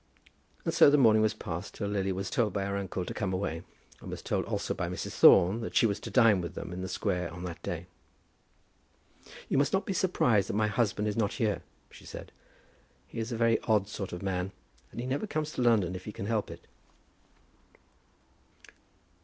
And so the morning was passed till Lily was told by her uncle to come away, and was told also by Mrs. Thorne that she was to dine with them in the square on that day. "You must not be surprised that my husband is not here," she said. "He is a very odd sort of man, and he never comes to London if he can help it."